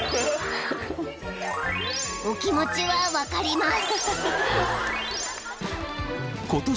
［お気持ちは分かります］